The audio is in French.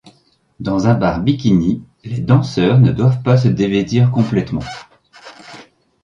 Dans un bar bikini, les danseurs ne doivent pas se dévêtir complètement.